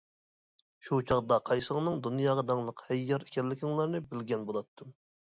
شۇ چاغدا قايسىڭنىڭ دۇنياغا داڭلىق ھەييار ئىكەنلىكىڭلارنى بىلگەن بولاتتىم.